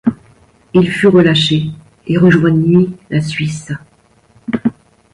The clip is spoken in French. Il fut relâché et rejoignit la Suisse.